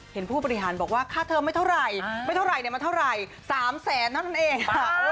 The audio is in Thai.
เห็นผู้บริหารบอกว่าค่าเทิมไม่เท่าไหร่ไม่เท่าไหร่เนี่ยมาเท่าไหร่๓แสนนั่นเองค่ะ